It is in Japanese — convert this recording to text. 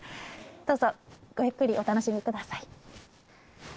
どうぞごゆっくりお楽しみください。